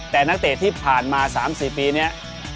แต่นักเตะที่ผ่านมา๓๔ปีนี้